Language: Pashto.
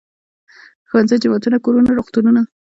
ښوونځي، جوماتونه، کورونه، روغتونونه.